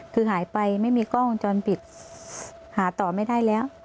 คือหายไปไม่มีกล้องวงจรปิดหาต่อไม่ได้แล้ว